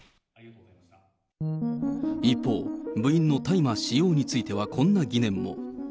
一方、部員の大麻使用についてはこんな疑念も。